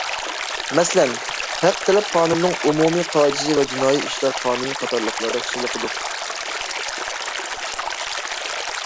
مەسىلەن، ھەق تەلەپ قانۇنىنىڭ ئومۇمىي قائىدىسى ۋە جىنايى ئىشلار قانۇنى قاتارلىقلاردا چېلىقىدۇ.